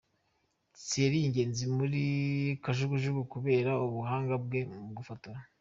Thierry Ingenzi muri kajugujugu kubera ubuhanga bwe mu gufotora.